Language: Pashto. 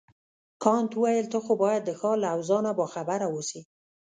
کانت وویل ته خو باید د ښار له اوضاع نه باخبره اوسې.